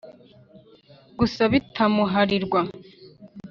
gusa bitamuharirwa ;